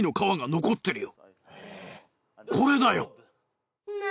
これだよ。